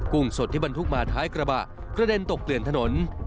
ุ่งสดที่บรรทุกมาท้ายกระบะกระเด็นตกเกลื่อนถนน